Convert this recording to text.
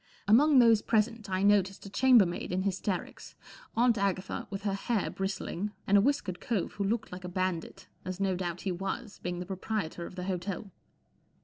Among those present I noticed a chambermaid in hysterics. Aunt Agatha with her hair bristling, and a whiskered cove who looked like a bandit, as no doubt he was, being the proprietor of the hotel.